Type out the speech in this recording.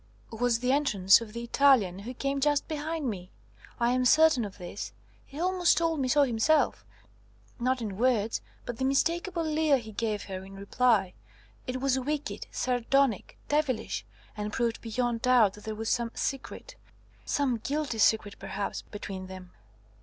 "Was the entrance of the Italian, who came just behind me. I am certain of this; he almost told me so himself, not in words, but the mistakable leer he gave her in reply. It was wicked, sardonic, devilish, and proved beyond doubt that there was some secret, some guilty secret perhaps, between them."